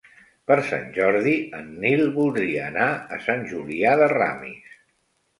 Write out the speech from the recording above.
Per Sant Jordi en Nil voldria anar a Sant Julià de Ramis.